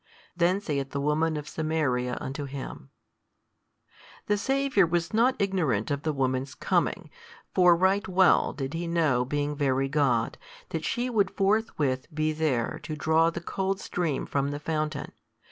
Then saith the woman of Samaria unto Him, The Saviour was not ignorant of the woman's coming. For right well did He know being Very God, that she would forthwith be there to draw the cold stream from the fountain.